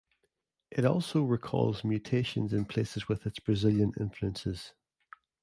It also recalls "Mutations" in places with its Brazilian influences.